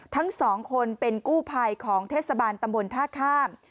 ทั้งสองคนเป็นกู้ภัยของเทศบาลตำบลท่าข้าม